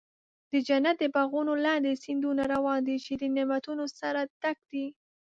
د جنت د باغونو لاندې سیندونه روان دي، چې د نعمتونو سره ډک دي.